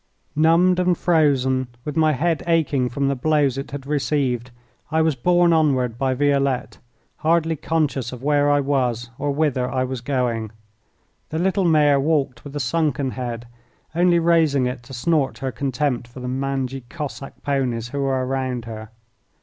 Numbed and frozen, with my head aching from the blows it had received, I was borne onward by Violette, hardly conscious of where I was or whither I was going. The little mare walked with a sunken head, only raising it to snort her contempt for the mangy Cossack ponies who were round her.